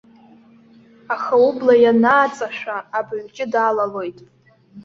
Аха убла ианааҵашәа, абаҩҷыда алалоит.